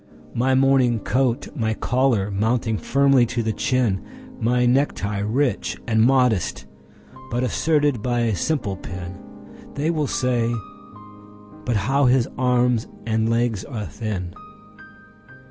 My morning coat, my collar mounting firmly to the chin, My necktie rich and modest, but asserted by a simple pin—(They will say: "But how his arms and legs are thin!")